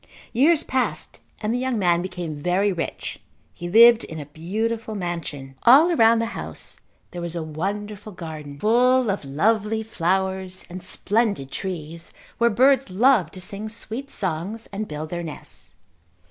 Years passed and the young man became very rich. He lived in a beautiful mansion. All around the house there was a wonderful garden full of lovely flowers and splendid trees where birds loved to sing sweet songs and build their nests.